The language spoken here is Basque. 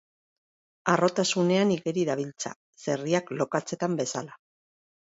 Harrotasunean igeri dabiltza, zerriak lokatzetan bezala.